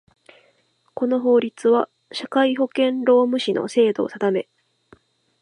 この法律は、社会保険労務士の制度を定め